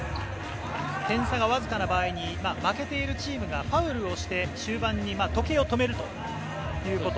点差がわずかな場合に負けているチームがファウルをして終盤に時計を止めるということ。